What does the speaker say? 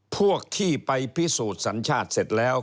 พวกที่ไปพิสูจน์สัญชาติเสร็จแล้ว